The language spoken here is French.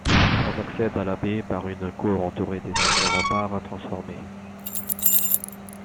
On accède à l'abbaye par une cour entourée des anciens remparts transformés.